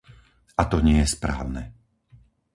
A to nie je správne.